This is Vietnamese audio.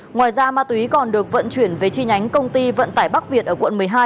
ngoài ra ma túy còn được vận chuyển về chi nhánh công ty vận tải bắc việt ở quận một mươi hai